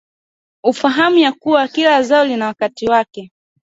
ufaham yakua kila zao lina wakati wake